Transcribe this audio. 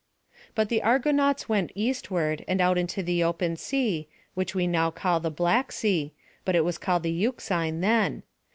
But the Argonauts went eastward, and out into the open sea, which we now call the Black Sea, but it was called the Euxine then.